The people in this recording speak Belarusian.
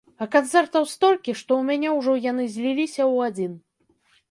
А канцэртаў столькі, што ў мяне ўжо яны зліліся ў адзін.